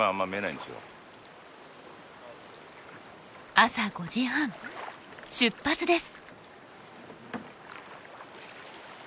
朝５時半出発です。